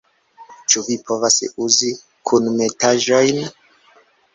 - Ĉu vi povas uzi kunmetaĵojn?